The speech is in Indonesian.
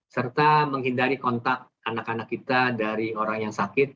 serta menghindari kontak anak anak kita dari orang yang sakit